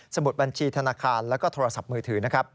สมุดบัญชีธนาคารและก็โทรศัพท์มือถือ